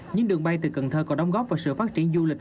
những đường bay từ cần thơ có đóng góp vào sự phát triển du lịch